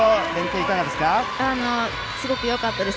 すごくよかったです。